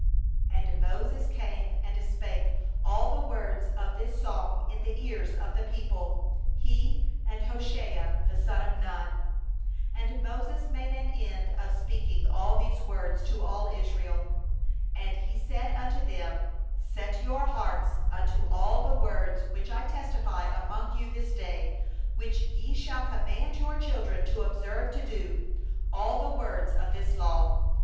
44And Moses came and spoke all the words of this song in the ears of the people, he, and Hoshea the son of Nun. 45And when Moses made an end of speaking all these words to all Israel, 46he said unto them: 'Set your heart unto all the words wherewith I testify against you this day; that ye may charge your children therewith to observe to do all the words of this law.